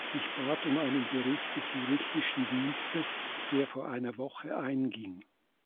Ich bat um einen Bericht des Juristischen Dienstes, der vor einer Woche einging.